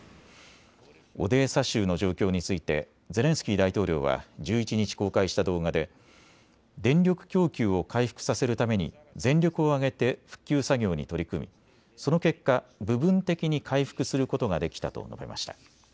オデーサ州の状況についてゼレンスキー大統領は１１日、公開した動画で電力供給を回復させるために全力を挙げて復旧作業に取り組みその結果、部分的に回復することができたと述べました。